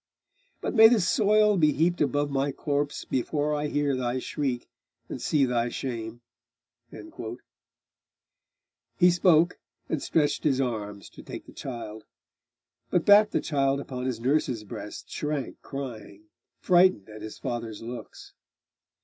But may the soil be heaped above my corpse Before I hear thy shriek and see thy shame!' He spoke, and stretched his arms to take the child, But back the child upon his nurse's breast Shrank crying, frightened at his father's looks.